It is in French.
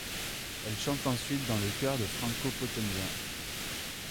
Elle chante ensuite dans le chœur de Franco Potenza.